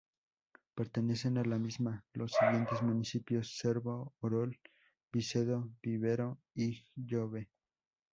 Pertenecen a la misma los siguientes municipios: Cervo, Orol, Vicedo, Vivero y Jove.